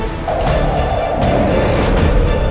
aku akan menikah denganmu